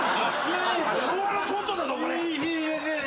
昭和のコントだぞこれ。